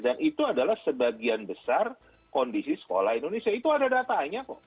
dan itu adalah sebagian besar kondisi sekolah indonesia itu ada datanya kok